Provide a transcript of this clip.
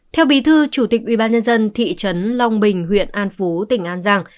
theo bí thư chủ tịch ubnd thị trấn long bình huyện an phú tỉnh an giang